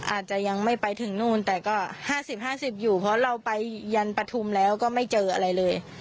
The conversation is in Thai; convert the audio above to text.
อาจจะยังไม่ไปถึงนู่นแต่ก็๕๐๕๐อยู่เพราะเราไปยันปฐุมแล้วก็ไม่เจออะไรเลย